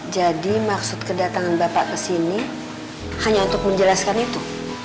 jadi maksud kedatangan bapak ke sini hanya untuk menjelaskan itu